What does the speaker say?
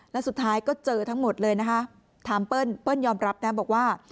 แล้วสุดท้ายก็เจอทั้งหมดเลยนะคะถามเปิ้ลเปิ้ลยอมรับนะบอกว่า